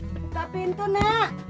buka pintu na